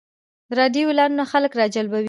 د راډیو اعلانونه خلک راجلبوي.